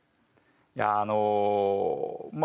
いやあのまあ